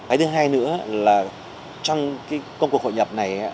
cái thứ hai nữa là trong cái công cuộc hội nhập này